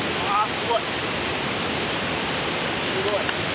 すごい！